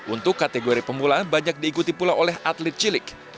untuk kategori pemula banyak diikuti pula oleh atlet cilik